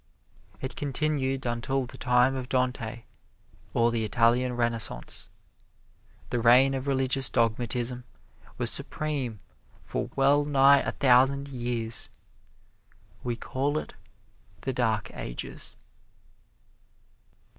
It continued until the time of Dante, or the Italian Renaissance. The reign of Religious Dogmatism was supreme for well nigh a thousand years we call it the Dark Ages.